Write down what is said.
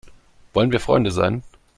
Wollen wir Freunde sein?